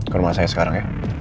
ke rumah saya sekarang ya